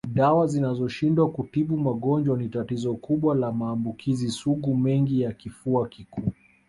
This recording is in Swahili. Dawa zinazoshindwa kutibu magonjwa ni tatizo kubwa la maambukizi sugu mengi ya kifua kikuu